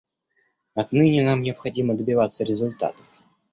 Отныне нам необходимо добиваться результатов.